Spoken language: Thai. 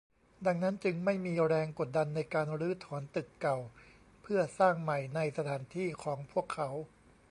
ดังนั้นจึงไม่มีแรงกดดันในการรื้อถอนตึกเก่าเพื่อสร้างใหม่ในสถานที่ของพวกเขา